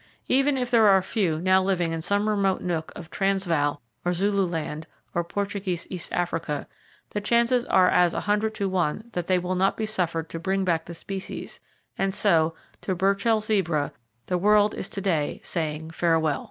Even if there are a few now living [Page 38] in some remote nook of the Transvaal, or Zululand, or Portuguese East Africa, the chances are as 100 to 1 that they will not be suffered to bring back the species; and so, to Burchell's zebra, the world is to day saying "Farewell!"